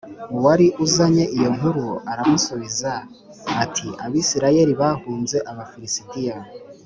Uwari uzanye iyo nkuru aramusubiza ati Abisirayeli bahunze Abafilisitiya